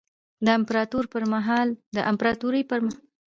د امپراتورۍ پرمهال له موږ سره مثالونه شته.